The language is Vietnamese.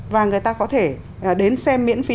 và người ta có thể đến xem miễn phí